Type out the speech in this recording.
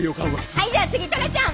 はいじゃあ次虎ちゃん。